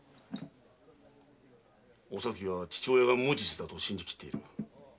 おさきは父親が無実だと信じきっている。